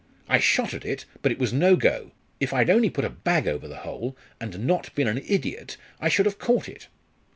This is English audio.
I shot at it, but it was no go. If I'd only put a bag over the hole, and not been an idiot, I should have caught it."